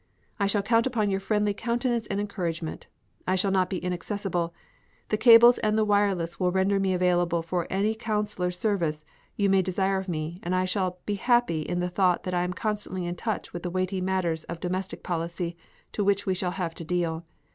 I shall count upon your friendly countenance and encouragement. I shall not be inaccessible. The cables and the wireless will render me available for any counselor service you may desire of me, and I shall be happy in the thought that I am constantly in touch with the weighty matters of domestic policy with which we shall have to deal.